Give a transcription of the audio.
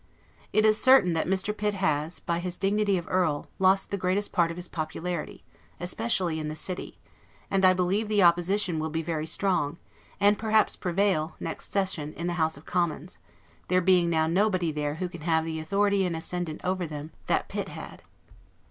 It is certain, that Mr. Pitt has, by his dignity of Earl, lost the greatest part of his popularity, especially in the city; and I believe the Opposition will be very strong, and perhaps prevail, next session, in the House of Commons; there being now nobody there who can have the authority and ascendant over them that Pitt had.